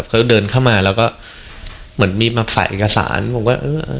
เขาเดินเข้ามาแล้วก็เหมือนมีมาใส่เอกสารผมก็เออ